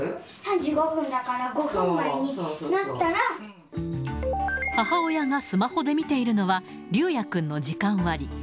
３５分だから、５分前になっ母親がスマホで見ているのは、琉哉君の時間割。